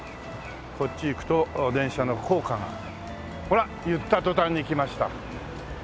こっち行くと電車の高架がほら言った途端に来ました。